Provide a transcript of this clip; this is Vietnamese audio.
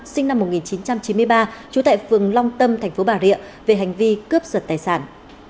sinh năm một nghìn chín trăm chín mươi ba chú tại phường long tâm tp bà rịa về hành vi cướp sật tài sản